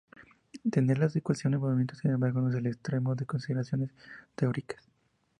Tener las ecuaciones de movimiento, sin embargo, no es el extremo de consideraciones teóricas.